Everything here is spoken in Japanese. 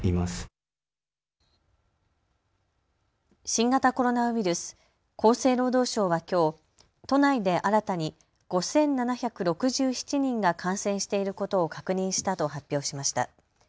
新型コロナウイルス、厚生労働省はきょう都内で新たに５７６７人が感染していることを確認したと発表しました。